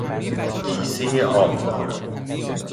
کیسه آب